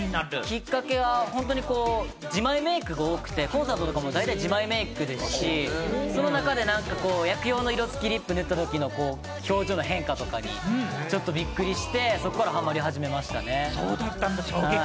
きっかけは自前メークが多くて、コンサートのときも大体、自前メイクですし、その中で薬用の色つきのリップを塗ったときの表情の変化にちょっとびっくりして、そこからハマり始めましたね。